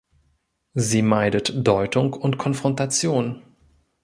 Sie meidet Deutung und Konfrontation.